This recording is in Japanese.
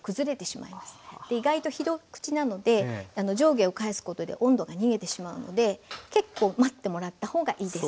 意外と広口なので上下を返すことで温度が逃げてしまうので結構待ってもらったほうがいいです。